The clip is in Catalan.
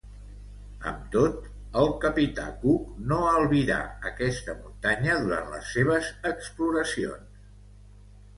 Amb tot, el capità Cook no albirà aquesta muntanya durant les seves exploracions.